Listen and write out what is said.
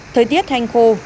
thời tiết hành khô